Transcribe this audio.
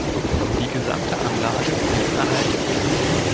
Die gesamte Anlage blieb erhalten.